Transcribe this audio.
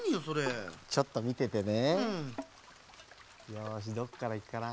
よしどっからいくかな。